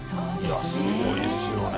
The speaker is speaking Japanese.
いやすごいですよね。